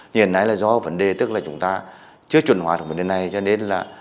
nhưng hồi nãy là do vấn đề tức là chúng ta chưa chuẩn hóa được vấn đề này cho nên là